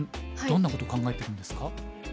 どんなこと考えてるんですか？